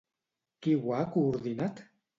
Qui ho ha coordinat?